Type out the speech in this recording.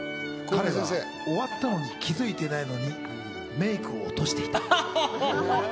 彼は終わったのに気づいていないのにメイクを落としていた。